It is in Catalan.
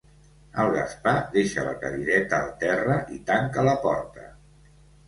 El Gaspar deixa la cadireta al terra i tanca la porta.